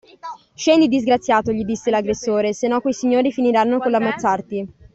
Scendi disgraziato gli disse l’aggressore se no quei signori finiranno coll’ammazzarti.